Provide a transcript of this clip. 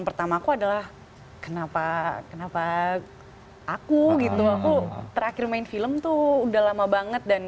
pertama aku adalah kenapa kenapa aku gitu aku terakhir main film tuh udah lama banget dan